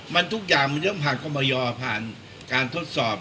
มันทุกอย่างมันเริ่มผ่านเข้ามายอผ่านการทดสอบ